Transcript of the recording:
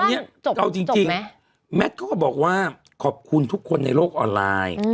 อันนี้เอาจริงแมทเขาก็บอกว่าขอบคุณทุกคนในโลกออนไลน์